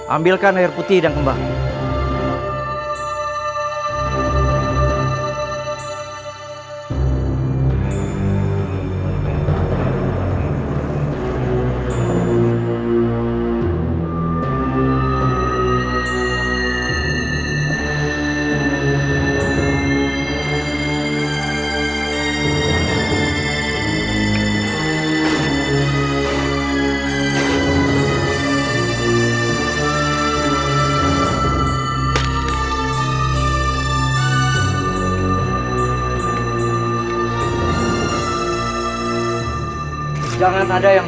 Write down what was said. ambilkan air putih dan kembang